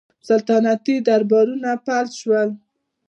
سلطنتي دربارونه فلج شول